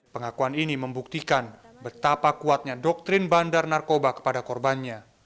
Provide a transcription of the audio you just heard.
pengakuan ini membuktikan betapa kuatnya doktrin bandar narkoba kepada korbannya